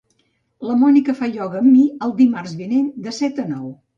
La Mònica fa ioga amb mi el dimarts vinent de set a nou.